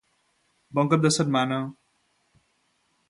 Bon cap de setmana!